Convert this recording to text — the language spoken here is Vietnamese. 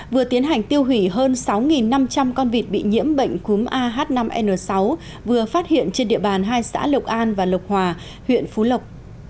vừa tiến hành tiêu hủy hơn sáu năm trăm linh con vịt bị nhiễm bệnh cúm ah năm n sáu vừa phát hiện trên địa bàn hai xã lộc an và lộc hòa huyện phú lộc